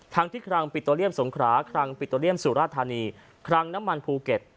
ทั้งที่คลังปิโตเรียมสงขราคลังปิโตเรียมสุราธานีคลังน้ำมันภูเก็ต